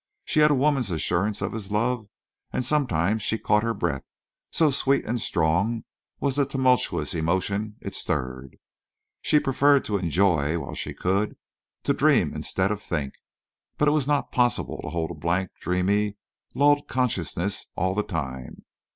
She had a woman's assurance of his love and sometimes she caught her breath—so sweet and strong was the tumultuous emotion it stirred. She preferred to enjoy while she could, to dream instead of think. But it was not possible to hold a blank, dreamy, lulled consciousness all the time.